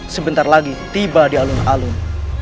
sebentar lagi tiba di alun alun